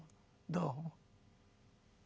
どうも。